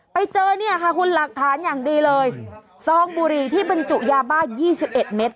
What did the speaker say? ไปเจอเนี่ยค่ะคุณหลักฐานอย่างดีเลยซองบุหรี่ที่บรรจุยาบ้ายี่สิบเอ็ด